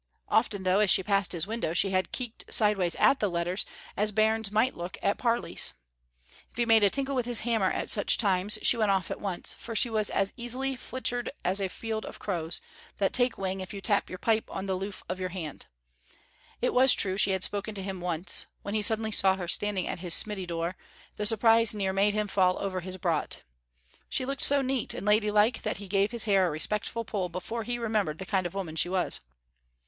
Often, though, as she passed his window she had keeked sideways at the letters, as bairns might look at parlys. If he made a tinkle with his hammer at such times off she went at once, for she was as easily flichtered as a field of crows, that take wing if you tap your pipe on the loof of your hand. It was true she had spoken to him once; when he suddenly saw her standing at his smiddy door, the surprise near made him fall over his brot. She looked so neat and ladylike that he gave his hair a respectful pull before he remembered the kind of woman she was.